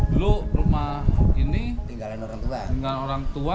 dulu rumah ini tinggal orang tua